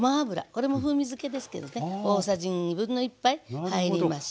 これも風味づけですけどね大さじ1/2杯入りました。